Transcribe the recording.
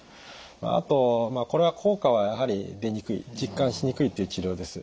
あとこれは効果はやはり出にくい実感しにくいという治療です。